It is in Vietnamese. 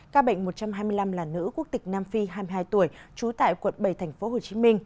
ca bệnh một trăm hai mươi năm là nữ quốc tịch nam phi hai mươi hai tuổi trú tại quận bảy tp hcm